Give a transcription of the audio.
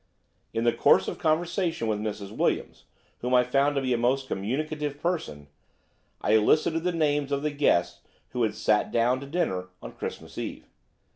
"In the course of conversation with Mrs. Williams, whom I found to be a most communicative person, I elicited the names of the guests who had sat down to dinner on Christmas Eve.